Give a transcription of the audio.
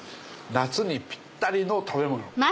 夏にぴったりの食べ物。